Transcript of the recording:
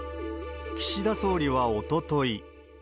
岸田総理はおととい。